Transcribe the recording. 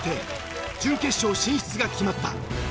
準決勝進出が決まった！